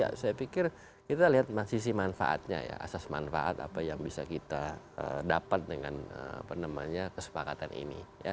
ya saya pikir kita lihat sisi manfaatnya ya asas manfaat apa yang bisa kita dapat dengan kesepakatan ini